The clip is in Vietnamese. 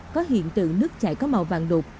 có hiện tượng nước chạy có màu vàng đục